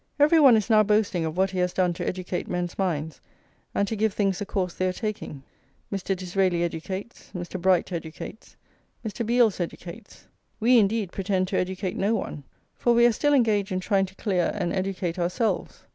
Every one is now boasting of what he has done to educate men's minds and to give things the course they are taking. Mr. Disraeli educates, Mr. Bright educates, Mr. Beales educates. We, indeed, pretend to educate no one, for we are still engaged in trying to clear and educate ourselves.